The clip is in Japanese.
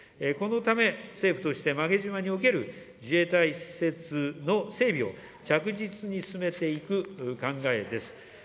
このため、政府として、馬毛島における自衛隊施設の整備を着実に進めていく考えです。